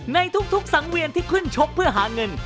ในทุกสังเวียนที่ขึ้นชกเพื่อหาเงิน